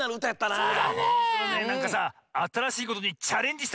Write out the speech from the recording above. なんかさあたらしいことにチャレンジしたくなったよね。